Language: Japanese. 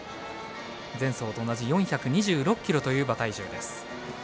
前走と同じ４２６ｋｇという馬体重です。